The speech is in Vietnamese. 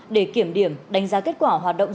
để kiểm điểm đánh giá kết quả hoạt động